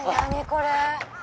これ。